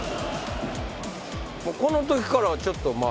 このときからちょっとまあ。